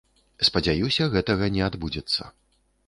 Спадзяюся, гэтага не адбудзецца.